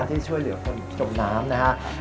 ที่ช่วยเหลือคนจบน้ำนะฮะ